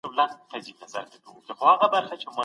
په کورني چاپیریال کې د چا زړه نه ځورول کېږي.